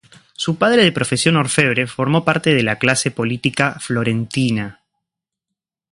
Su padre de profesión orfebre, formó parte de la clase política florentina.